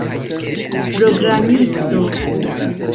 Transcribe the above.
programisto